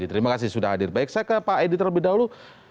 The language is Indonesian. terima kasih sudah hadir baik saya ke pak edi terlebih dahulu